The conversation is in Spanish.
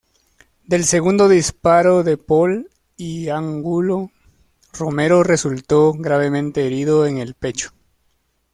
Del segundo disparo de Paúl y Angulo Romero resultó gravemente herido en el pecho.